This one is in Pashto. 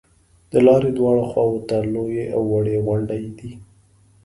د لارې دواړو خواو ته لویې او وړې غونډې دي.